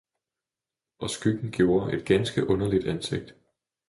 og skyggen gjorde et ganske underligt ansigt.